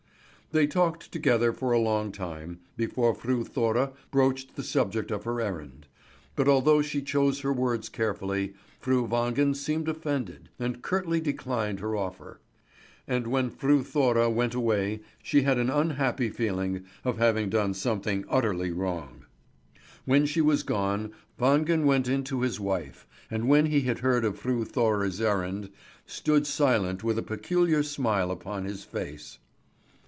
They talked together for a long time before Fru Thora broached the subject of her errand; but although she chose her words carefully, Fru Wangen seemed offended, and curtly declined her offer. And when Fru Thora went away she had an unhappy feeling of having done something utterly wrong. When she was gone, Wangen went in to his wife, and when he had heard Fru Thora's errand, stood silent with a peculiar smile upon his face.